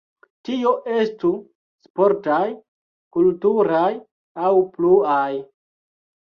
Tio estu sportaj, kulturaj aŭ pluaj.